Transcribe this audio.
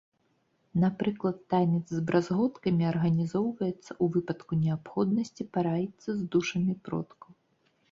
Напрыклад, танец з бразготкамі арганізоўваецца ў выпадку неабходнасці параіцца з душамі продкаў.